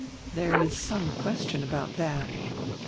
"There is some question about that.